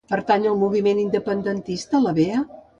Pertany al moviment independentista la Bea?